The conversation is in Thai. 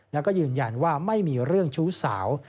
แล้วก็ยืนยันว่าไม่มีเรื่องชู้สาว